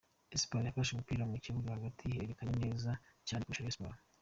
Espoir yafashe umupira mu kibuga hagati ihererekanya neza cyane kurusha Rayon Sports.